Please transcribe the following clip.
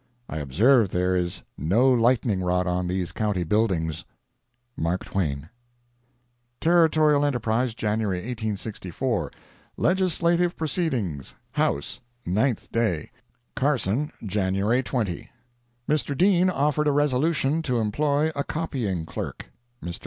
I observe there is no lightning rod on these county buildings.—MARK TWAIN Territorial Enterprise, January 1864 LEGISLATIVE PROCEEDINGS HOUSE—NINTH DAY Carson, January 20 Mr. Dean offered a resolution to employ a copying clerk. Mr.